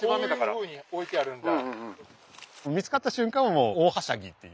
こういうふうに置いてあるんだ。